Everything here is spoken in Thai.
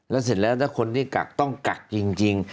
แล้วเสร็จแล้วถ้าคนที่กักต้องกักจริง